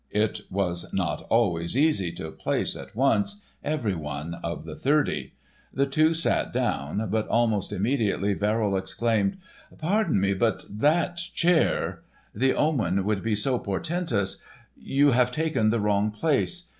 It was not always easy to "place" at once every one of the thirty. The two sat down, but almost immediately Verrill exclaimed: "Pardon me, but—that chair. The omen would be so portentous! You have taken the wrong place.